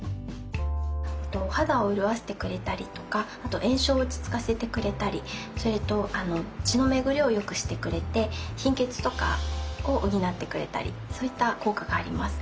肌を潤してくれたりとかあと炎症を落ち着かせてくれたりそれと血の巡りを良くしてくれて貧血とかを補ってくれたりそういった効果があります。